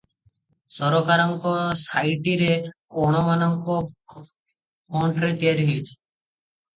ସରକାରଙ୍କ ସାଇଟଟିରେ ଅଣ-ମାନକ ଫଣ୍ଟରେ ତିଆରି ହୋଇଛି ।